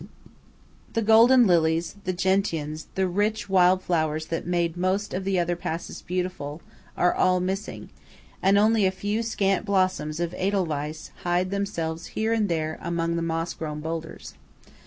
The golden lilies, the gentians, the rich wild flowers that made most of the other passes beautiful, are all missing; and only a few scant blooms of Edelweiss hide themselves here and there among the moss grown boulders.